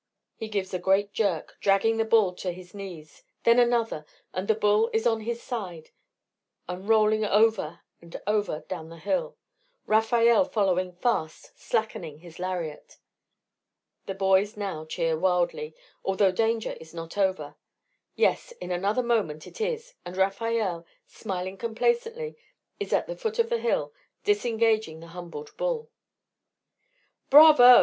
He gives a great jerk, dragging the bull to his knees, then another, and the bull is on his side and rolling over and over down the hill, Rafael following fast, slackening his lariat. The boys now cheer wildly, although danger is not over yes, in another moment it is, and Rafael, smiling complacently, is at the foot of the hill, disengaging the humbled bull. "Bravo!"